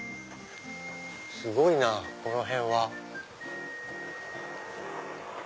すごいなこの辺は。